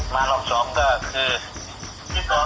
มารอบชอบก็คือก็เอาชีวิตเกือบไม่รอดรอนอยู่ในฟ้าพลิกนิกลิก